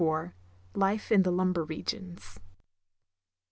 XXIV. LIFE IN THE LUMBER REGIONS.